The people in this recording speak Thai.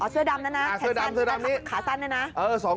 เสื้อดำน่ะนะแขนสั้นขาสั้นนี่นะแขนสั้น